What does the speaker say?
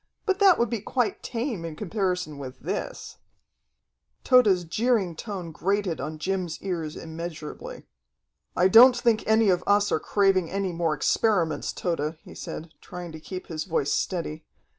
But that would be quite tame in comparison with this." Tode's jeering tone grated on Jim's ears immeasurably. "I don't think any of us are craving any more experiments, Tode," he said, trying to keep his voice steady.